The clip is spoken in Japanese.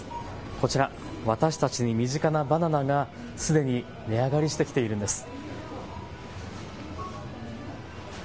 こちら、私たちに身近なバナナがすでに値上がりしてきているんです。